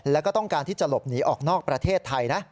แล้วก็ต้องการที่จะหลบหนีออกนอกประเทศไทยนะ